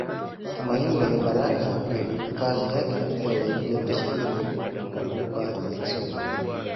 Tumaini Lenye Baraka ndiyo kazi yake kubwa zaidi ya mashairi kwa lugha ya Kiswahili.